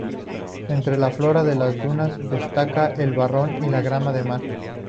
Entre la flora de las dunas destaca el barrón y el grama de mar.